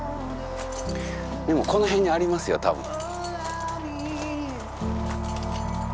でもこの辺にありますよたぶん。